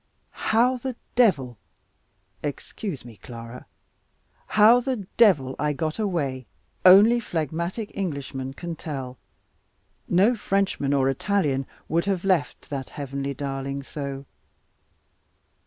How the devil excuse me, Clara how the devil I got away, only phlegmatic Englishmen can tell. No Frenchman, or Italian, would have left that heavenly darling so.